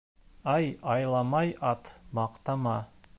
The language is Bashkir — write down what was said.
Ай айламай ат маҡтама